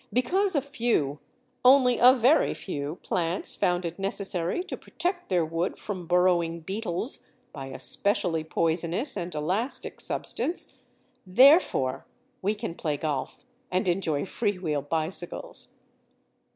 Because a few (only a very few) plants found it necessary to protect their wood from burrowing beetles by a specially poisonous and elastic substance, therefore we can play golf and enjoy free wheel bicycles.